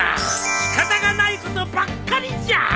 仕方がないことばっかりじゃ！